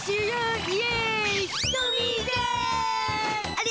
あれ？